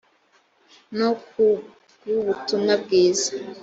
no ku bw ubutumwa bwiza